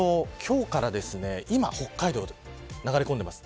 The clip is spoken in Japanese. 今は北海道に流れ込んでいます。